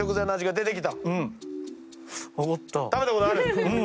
食べたことある？